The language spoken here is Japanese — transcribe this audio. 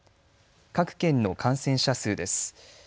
各県の感染者数です。